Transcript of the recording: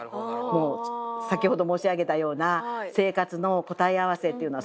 もう先ほど申し上げたような生活の答え合わせっていうのはそういうことです。